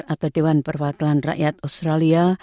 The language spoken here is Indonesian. atau dewan perwakilan rakyat australia